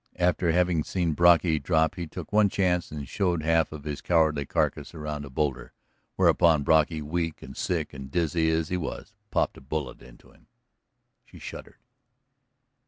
After having seen Brocky drop he took one chance and showed half of his cowardly carcass around a boulder. Whereupon Brocky, weak and sick and dizzy as he was, popped a bullet into him." She shuddered.